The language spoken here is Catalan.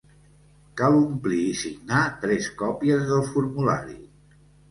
Cal omplir i signar tres còpies del formulari.